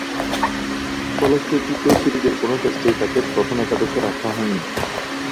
ফলশ্রুতিতে সিরিজের কোন টেস্টেই তাকে প্রথম একাদশে রাখা হয়নি।